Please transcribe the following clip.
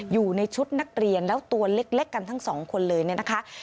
อยู่ในชุดนักเรียนแล้วตัวเล็กกันทั้งสองคนเลยเนี่ยนะคะ